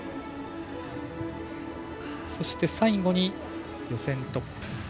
そして最後に予選トップ